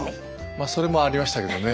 まそれもありましたけどね。